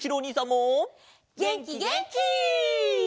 げんきげんき！